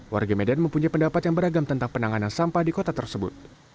warga medan mempunyai pendapat yang beragam tentang penanganan sampah di kota tersebut